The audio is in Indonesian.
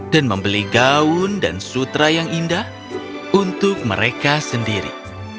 dan membeli gaun dan sutra yang indah untuk mereka sendiri